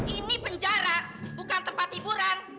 ini penjara bukan tempat hiburan